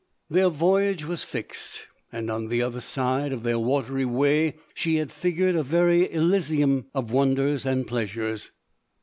Their voyage was fixed, and on the other side of their watery way she had figured a very Elysium of wonders and pleasures.